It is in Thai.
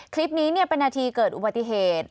คลิปนี้เป็นนาทีเกิดอุบัติเหตุ